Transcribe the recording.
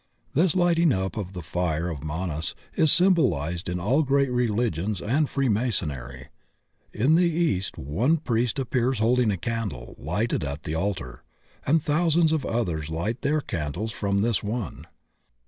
This lighting up of the fire of Manas is symbolized in all great religions and Freemasonry. In the east one priest appears holding a candle lighted at the altar, and thousands of others Ught their candles from this one.